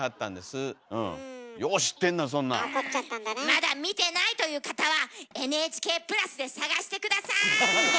まだ見てないという方は「ＮＨＫプラス」で探して下さい。